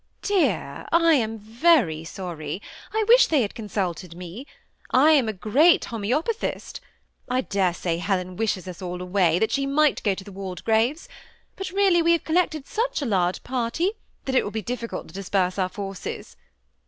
^ Dear, I am very sorry ; I wish they had consulted ibe, — I am a great homoeopathist ; I dare say Helen wishes us all away, that she might go to the Walde graves ; but really we have collected such a lai^ par ty, that it will be difficult to disperse our forces.